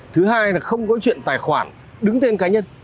thứ hai là không có chuyện tài khoản đứng tên cá nhân